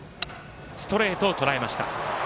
ストレートをとらえました。